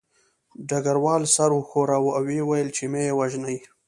ډګروال سر وښوراوه او ویې ویل چې مه یې وژنئ